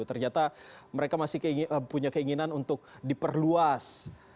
ternyata mereka masih punya keinginan untuk diperluas